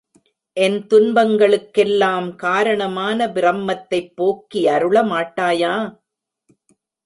என் துன்பங்களுக்கெல்லாம் காரணமான பிரமத்தைப் போக்கியருள மாட்டாயா?